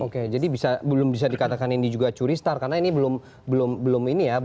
oke jadi belum bisa dikatakan ini juga curi star karena ini belum ini ya